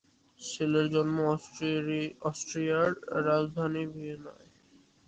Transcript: শেলের জন্ম অস্ট্রিয়ার রাজধানী ভিয়েনায়।